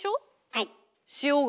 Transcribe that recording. はい。